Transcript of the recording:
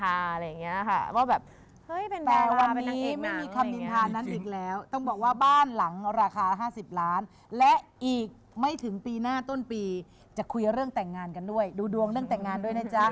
าีกนึงคือลาราคา๕๐ล้านและอีกไม่ถึงปีพรีนะต้นปีจะเคียงเรื่องแต่งงานกันด้วยดูดวงเรื่องตัดงานด้วยนะจ๊ะ